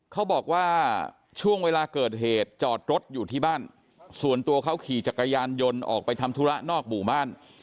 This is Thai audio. เขาบอกว่าช่วงเวลาเกิดเหตุจอดรถอยู่ที่บ้านส่วนตัวเขาขี่จักรยานยนต์ออกไปทำธุระนอกหมู่บ้าน